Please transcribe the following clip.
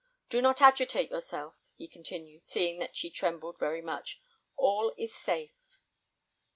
Do not agitate yourself," he continued, seeing that she trembled very much, "all is safe."